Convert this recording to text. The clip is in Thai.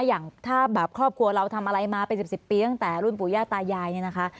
อย่างถ้าแบบครอบครัวเราทำอะไรมาเป็น๑๐ปีตั้งแต่รุ่นปู่ย่าตายายเนี่ยนะคะ